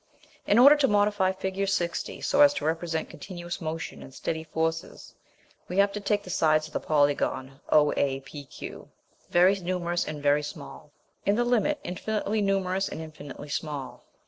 In order to modify Fig. 60 so as to represent continuous motion and steady forces, we have to take the sides of the polygon OAPQ, &c., very numerous and very small; in the limit, infinitely numerous and infinitely small.